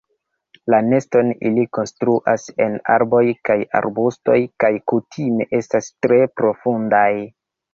La neston ili konstruas en arboj kaj arbustoj kaj kutime estas tre profundaj.